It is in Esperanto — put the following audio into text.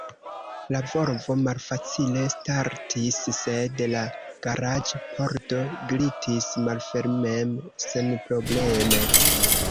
La Volvo malfacile startis, sed la garaĝ-pordo glitis malfermen senprobleme.